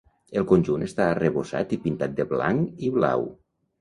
El conjunt està arrebossat i pintat de blanc i blau.